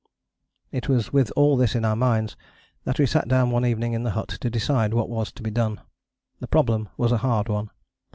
It was with all this in our minds that we sat down one evening in the hut to decide what was to be done. The problem was a hard one.